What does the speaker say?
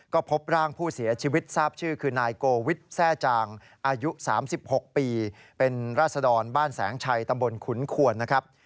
ก็พบร่างผู้เสียชีวิตทราบชื่อคือนายโกวิทแทร่จางอายุ๓๖ปีเป็นราศดรบ้านแสงชัยตำบลขุนขวนนะครับ